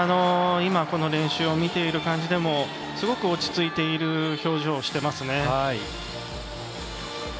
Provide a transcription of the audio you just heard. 練習を見ている感じでもすごく落ち着いている表情をしていますね。